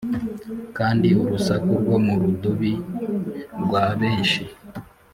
Kandi urusaku rwo mu rudubi rwa benshi